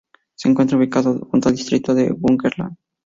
Se encuentra ubicado junto al distrito de Burgenland.